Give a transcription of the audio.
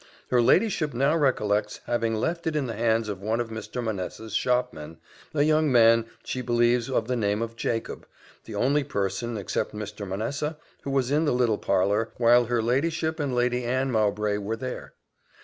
Her ladyship now recollects having left it in the hands of one of Mr. Manessa's shopmen, a young man she believes of the name of Jacob, the only person except Mr. Manessa, who was in the little parlour, while her ladyship and Lady Anne Mowbray were there.